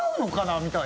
みたいな。